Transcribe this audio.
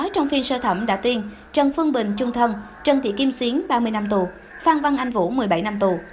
trần phương bình trung thân trần thị kim xuyến ba mươi năm tù phạm văn anh vũ một mươi bảy năm tù